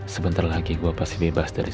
sebentar lagi gua pasti bisa menangkan dia